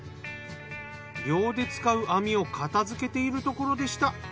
漁で使う網を片付けているところでした。